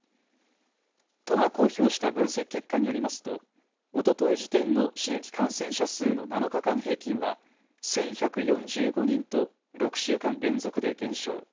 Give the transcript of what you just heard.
都が公表した分析結果によりますと、おととい時点の新規感染者数の７日間平均は１１４５人と６週間連続で減少。